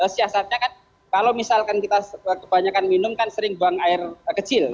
siasatnya kan kalau misalkan kita kebanyakan minum kan sering buang air kecil